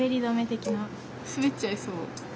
すべっちゃいそう。